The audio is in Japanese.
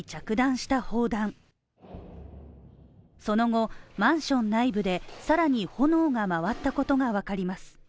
その後、マンション内部で、更に炎が回ったことが分かります。